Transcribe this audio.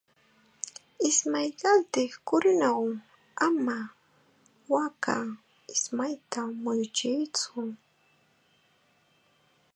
Ismay qaltiq kurunaw ama waaka ismayta muyuchiytsu.